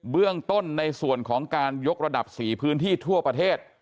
เบื้องต้นในส่วนของการยกระดับ๔พื้นที่ทั่วประเทศ